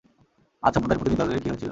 আদ সম্প্রদায়ের প্রতিনিধি দলের কী হয়েছিল?